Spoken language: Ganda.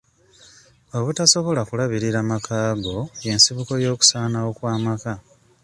Obutasobola kulabirira makaago y'ensibuko y'okusaanawo kw'amaka.